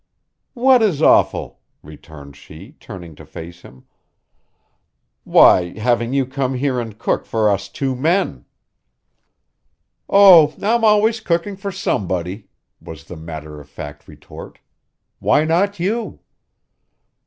"What is awful?" returned she, turning to face him. "Why, having you come here and cook for us two men." "Oh, I'm always cooking for somebody," was the matter of fact retort. "Why not you?"